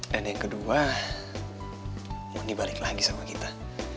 dan yang kedua moni balik lagi sama kita